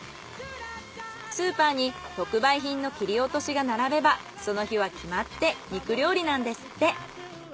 スーパーに特売品の切り落としが並べばその日は決まって肉料理なんですって。